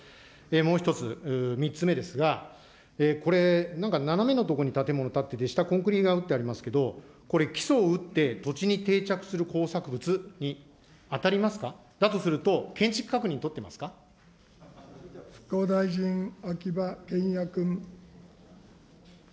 もう１つ、３つ目ですが、これ、なんか斜めの所に建物建ってて、下コンクリが打ってありますけれども、これ、基礎を打って土地に定着する工作物に当たりますか、だとすると、復興大臣、秋葉賢也君。